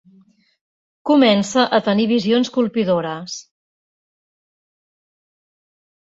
Comença a tenir visions colpidores.